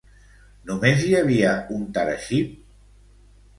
Només hi havia un Taraxip?